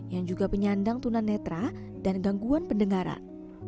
yang juga penyandang tunan netra dan gangguan pendengaran